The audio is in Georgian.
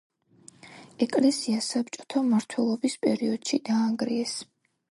ეკლესია საბჭოთა მმართველობის პერიოდში დაანგრიეს.